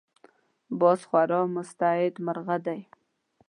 باز خورا مستعد مرغه دی